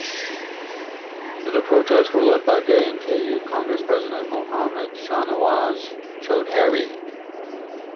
The protests were led by J and K youth Congress president Mohammad Shahnawaz Choudhary.